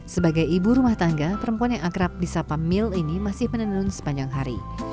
sebagai ibu rumah tangga perempuan yang akrab di sapa mil ini masih menenun sepanjang hari